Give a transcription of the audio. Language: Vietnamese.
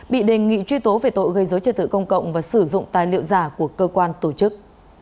bị đề nghị truy tố về tội gây dối trật tự công cộng và sử dụng tài liệu giả của cơ quan tổ chức